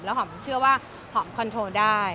หอมเชื่อว่าหอมคอนโทรได้